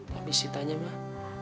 tapi si tanya mah